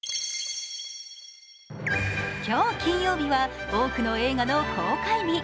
今日、金曜日は多くの映画の公開日。